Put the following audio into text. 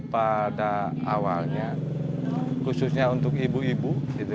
pada awalnya khususnya untuk ibu ibu